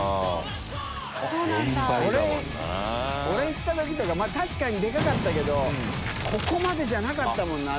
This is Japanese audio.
行ったときとかまぁ確かにでかかったけど海海泙任犬なかったもんな。